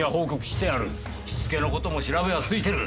火付けの事も調べはついてる。